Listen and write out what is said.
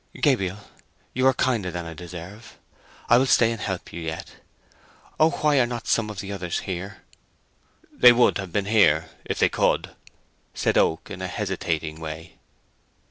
"Gabriel, you are kinder than I deserve! I will stay and help you yet. Oh, why are not some of the others here!" "They would have been here if they could," said Oak, in a hesitating way.